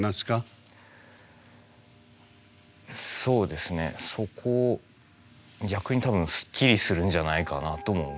そうですねそこ逆に多分スッキリするんじゃないかなあとも思います。